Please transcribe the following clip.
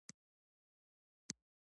پرې هم په اسانه پوهېدی شي